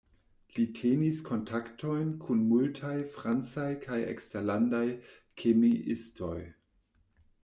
Li tenis kontaktojn kun multaj francaj kaj eksterlandaj kemiistoj.